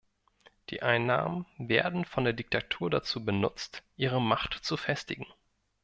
Die Einnahmen werden von der Diktatur dazu benutzt, ihre Macht zu festigen.